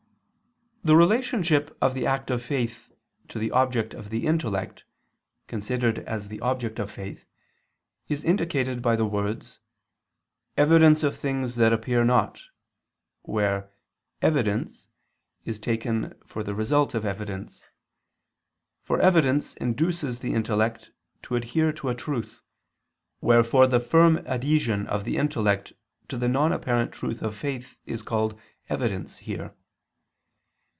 The relationship of the act of faith to the object of the intellect, considered as the object of faith, is indicated by the words, "evidence of things that appear not," where "evidence" is taken for the result of evidence. For evidence induces the intellect to adhere to a truth, wherefore the firm adhesion of the intellect to the non apparent truth of faith is called "evidence" here.